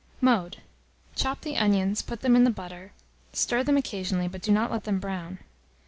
Mode. Chop the onions, put them in the butter, stir them occasionally, but do not let them brown.